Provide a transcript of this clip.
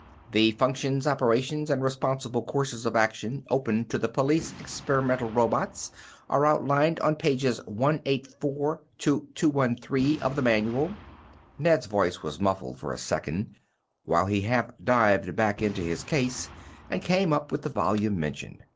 "The functions, operations and responsible courses of action open to the Police Experimental Robots are outlined on pages 184 to 213 of the manual." Ned's voice was muffled for a second while he half dived back into his case and came up with the volume mentioned.